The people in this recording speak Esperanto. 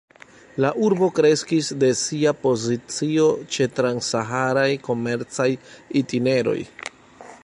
La urbo kreskis de sia pozicio ĉe trans-saharaj komercaj itineroj.